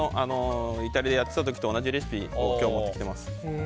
イタリアでやっていた時と同じレシピを今日、持ってきています。